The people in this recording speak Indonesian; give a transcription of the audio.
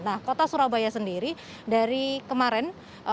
nah kota surabaya sendiri dari kemarin